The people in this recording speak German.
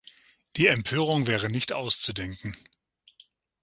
Die Empörung wäre nicht auszudenken.